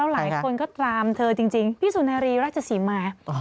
หลายคนก็ตามเธอจริงพี่สุนารีราชศรีมา